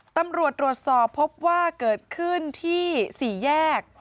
ตำรวจตรวจสอบพบว่าเกิดขึ้นที่๔แยก